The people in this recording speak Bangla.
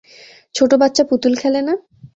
ছোট বাচ্চা পুতুল খেলে না?